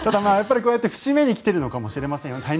こうやって節目に来ているのかもしれません